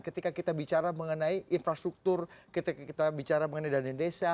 ketika kita bicara mengenai infrastruktur ketika kita bicara mengenai dana desa